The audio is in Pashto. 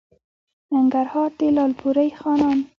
ننګرهار؛ د لالپورې خانان